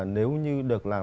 nếu như được làm